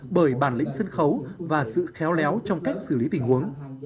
bởi bản lĩnh sân khấu và sự khéo léo trong cách xử lý tình huống